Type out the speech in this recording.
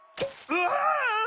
・・うわ！